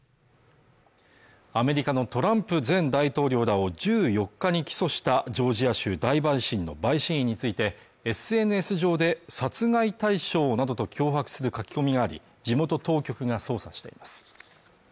アメリカのトランプ前大統領らを１４日に起訴したジョージア州大陪審の陪審員についてＳＮＳ上で殺害対象などと脅迫する書き込みがあり地元当局が捜査しています